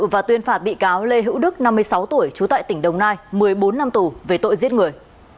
và tuyên phạt bị cáo lê hữu đức năm mươi sáu tuổi trú tại tỉnh đồng nai một mươi bốn năm tù về tội giết người